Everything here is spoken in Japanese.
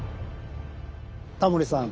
タモリさん。